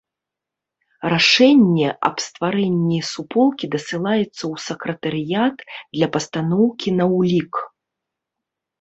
Рашэнне аб стварэнні суполкі дасылаецца ў сакратарыят для пастаноўкі на ўлік.